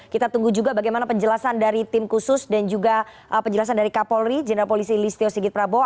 kita tunggu juga bagaimana penjelasan dari tim khusus dan juga penjelasan dari kapolri jenderal polisi listio sigit prabowo